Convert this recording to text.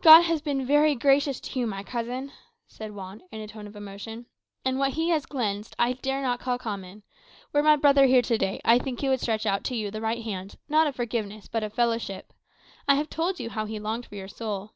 "God has been very gracious to you, my cousin," said Juan in a tone of emotion. "And what he has cleansed I dare not call common. Were my brother here to day, I think he would stretch out to you the right hand, not of forgiveness, but of fellowship. I have told you how he longed for your soul."